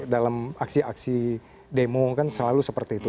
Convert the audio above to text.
dalam aksi aksi demo kan selalu seperti itu